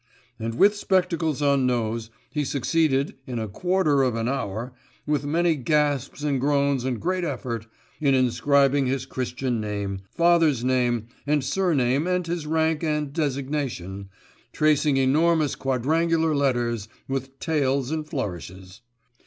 And with spectacles on nose, he succeeded, in a quarter of an hour, with many gasps and groans and great effort, in inscribing his Christian name, father's name, and surname and his rank and designation, tracing enormous quadrangular letters, with tails and flourishes.